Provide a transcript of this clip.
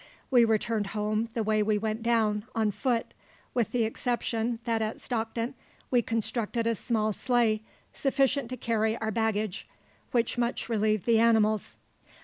We returned home the way we went down, on foot, with the exception that at Stockton we constructed a small sleigh, sufficient to carry our baggage, which much relieved the animals.